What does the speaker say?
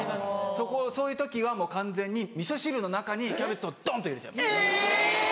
そういう時はもう完全にみそ汁の中にキャベツをドンと入れちゃいます。